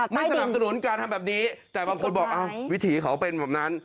ไม่สนับสนุนการทำแบบนี้แต่บางคนบอกวิถีเขาเป็นแบบนั้น